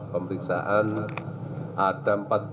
pemeriksaan berjalan selama dua belas jam